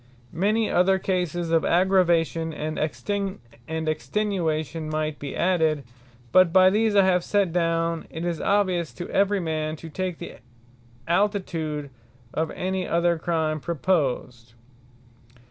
Many other cases of Aggravation, and Extenuation might be added: but by these I have set down, it is obvious to every man, to take the altitude of any other Crime proposed.